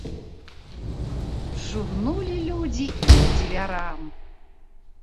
Шугнулі людзі і к дзвярам.